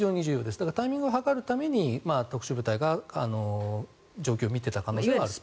だからタイミングを計るために特殊部隊が状況を見ていた可能性はあると。